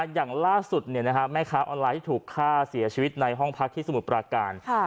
อย่างล่าสุดแม่ค้าออนไลน์ถูกฆ่าเสียชีวิตในห้องพักที่สมุทรปราการ